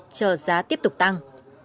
chờ giá tiếp tục tăng